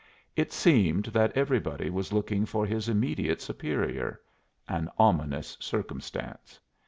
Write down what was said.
It seemed that everybody was looking for his immediate superior an ominous circumstance.